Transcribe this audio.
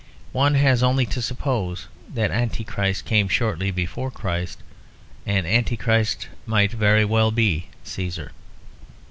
One has only to suppose that Antichrist came shortly before Christ; and Antichrist might very well be Cæsar.